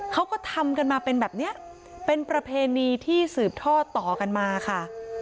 เขาก็ทำกันมาเป็นแบบนี้เป็นประเพณีที่สืบทอดต่อกันมาค่ะ